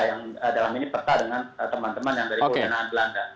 yang dalam ini peta dengan teman teman yang dari pemerintahan belanda